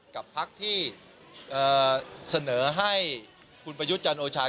กับพักที่เสนอให้คุณประยุทธ์จันโอชา